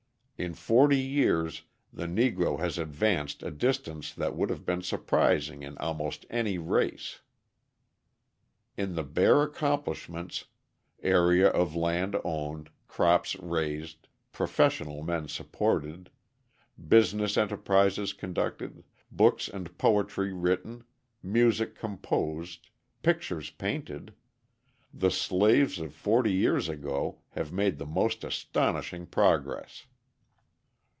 In forty years the Negro has advanced a distance that would have been surprising in almost any race. In the bare accomplishments area of land owned, crops raised, professional men supported, business enterprises conducted, books and poetry written, music composed, pictures painted the slaves of forty years ago have made the most astonishing progress.